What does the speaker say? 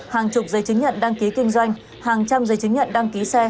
hàng chục giấy chứng nhận đăng ký kinh doanh hàng trăm giấy chứng nhận đăng ký xe